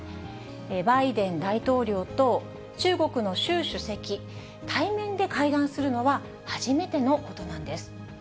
バイデン大統領と中国の習主席、対面で会談するのは初めてのことなんです。